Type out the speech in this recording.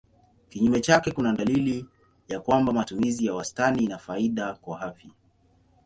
Kinyume chake kuna dalili ya kwamba matumizi ya wastani ina faida kwa afya.